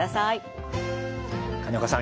金岡さん